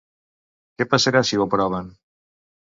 Què passarà si ho aproven?